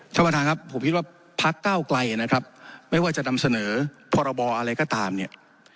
ท่านประธานครับผมคิดว่าพักเก้าไกลนะครับไม่ว่าจะนำเสนอพรบอะไรก็ตามเนี่ย